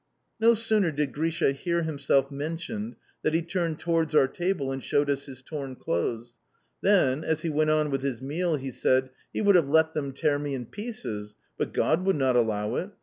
No sooner did Grisha hear himself mentioned that he turned towards our table and showed us his torn clothes. Then, as he went on with his meal, he said: "He would have let them tear me in pieces, but God would not allow it!